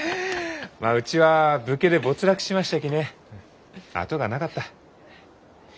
まあうちは武家で没落しましたきね後がなかった。